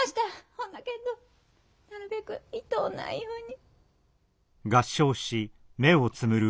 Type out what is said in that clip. ほんなけんどなるべく痛うないように。